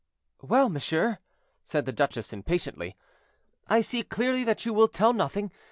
"Well, monsieur," said the duchess, impatiently, "I see clearly that you will tell nothing.